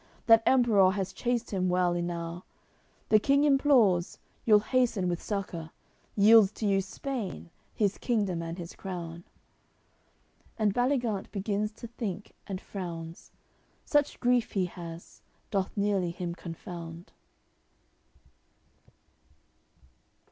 That Emperour has chased him well enow. The king implores, you'll hasten with succour, Yields to you Spain, his kingdom and his crown." And Baligant begins to think, and frowns; Such grief he has, doth nearly him confound.